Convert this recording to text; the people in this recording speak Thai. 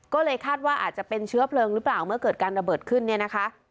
ก็เลยคาดว่าอาจจะเป็นเชื้อเพลิงหรือเปล่าเมื่อเกิดการระเบิดขึ้นเนี่ยนะคะ